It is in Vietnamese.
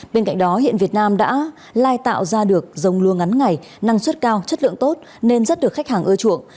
bên cạnh đó hiện việt nam đã lai tạo ra được dông lúa ngắn ngày năng suất cao chất lượng tốt nên rất được khách hàng ưa chuộng